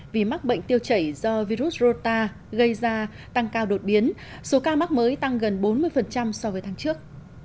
vì mắc bệnh tiêu chảy do virus rota gây ra tăng cao đột biến số ca mắc mới tăng gần bốn mươi so với tháng trước